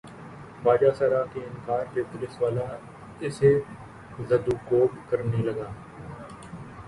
خواجہ سرا کے انکار پہ پولیس والا اسے زدوکوب کرنے لگا۔